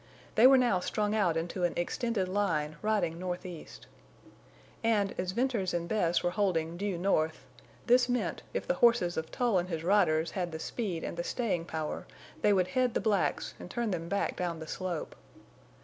They were now strung out into an extended line riding northeast. And, as Venters and Bess were holding due north, this meant, if the horses of Tull and his riders had the speed and the staying power, they would head the blacks and turn them back down the slope.